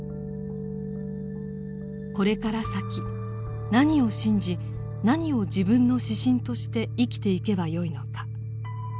これから先何を信じ何を自分の指針として生きていけばよいのか。